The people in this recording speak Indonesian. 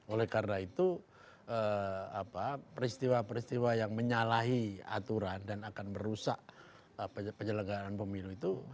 oleh karena itu peristiwa peristiwa yang menyalahi aturan dan akan merusak penyelenggaraan pemilu itu